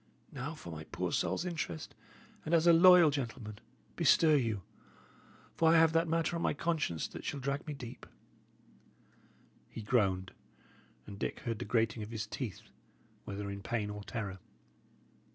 Now, for my poor soul's interest, and as a loyal gentleman, bestir you; for I have that matter on my conscience that shall drag me deep." He groaned, and Dick heard the grating of his teeth, whether in pain or terror.